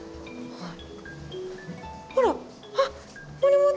はい。